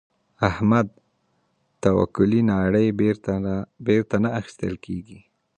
احمده؛ توکلې ناړې بېرته نه اخيستل کېږي.